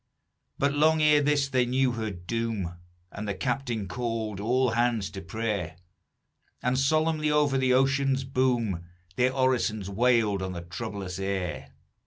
"But long ere this they knew her doom, And the captain called all hands to prayer; And solemnly over the ocean's boom Their orisons wailed on the troublous air.